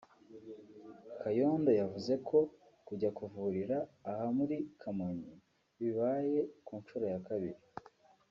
Kayondo yavuze ko kujya kuvurira aha muri Kamonyi bibaye ku nshuro ya kabiri